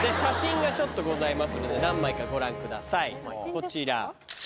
こちら。